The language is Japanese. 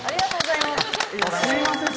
すいません。